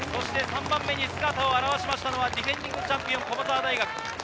３番目に姿を現したのがディフェンディングチャンピオン・駒澤大学。